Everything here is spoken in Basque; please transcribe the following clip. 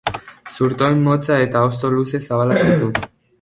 Zurtoin motza eta hosto luze zabalak ditu.